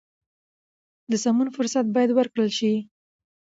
د سمون فرصت باید ورکړل شي.